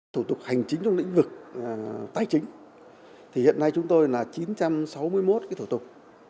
thủ tục hành chính trong lĩnh vực tài chính hiện nay chúng tôi là chín trăm sáu mươi một cái thủ tục